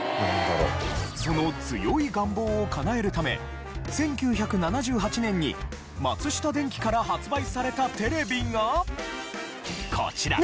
その強い願望をかなえるため１９７８年に松下電器から発売されたテレビがこちら！